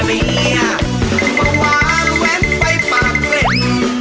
มาวางแหวนไปบางเว่ย